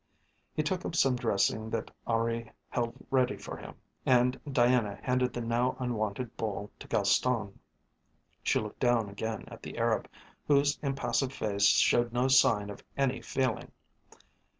He took up some dressing that Henri held ready for him, and Diana handed the now unwanted bowl to Gaston. She looked again at the Arab, whose impassive face showed no sign of any feeling.